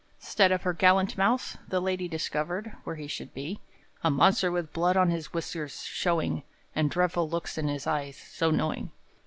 'Stead of her gallant mouse, the lady Discovered, where he should be, A monster with blood on his whiskers showing, And dreadful looks in his eyes so knowing!